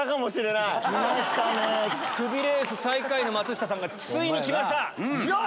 クビレース最下位の松下さんがついに来ました！